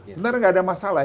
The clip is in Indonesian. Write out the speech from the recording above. sebenarnya nggak ada masalah